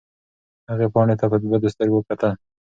هغې پاڼې ته په بدو سترګو کتل.